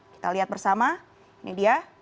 kita lihat bersama ini dia